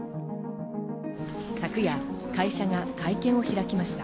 昨夜、会社が会見を開きました。